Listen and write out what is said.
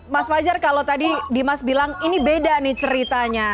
mas fajar kalau tadi dimas bilang ini beda nih ceritanya